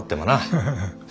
フフフ。